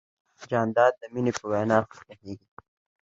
جانداد د مینې په وینا ښه پوهېږي.